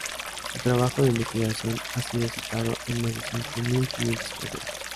Su trabajo de investigación ha sido citado en más de cinco mil quinientas ocasiones.